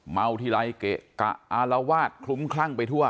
เมาทิรายเกะกะอารวาสคลุ้มขังไปทั่ว